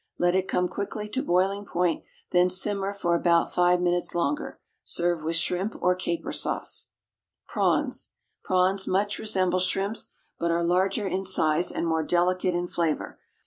Let it come quickly to boiling point, then simmer for about five minutes longer. Serve with shrimp or caper sauce. =Prawns.= Prawns much resemble shrimps, but are larger in size and more delicate in flavour.